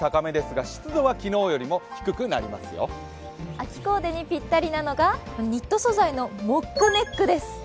秋コーデにぴったりなのが、ニット素材のモックネックです。